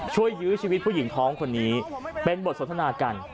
ยื้อชีวิตผู้หญิงท้องคนนี้เป็นบทสนทนากัน